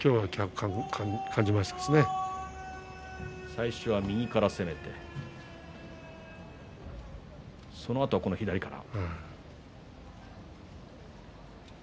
最初は右から攻めてそのあと左から。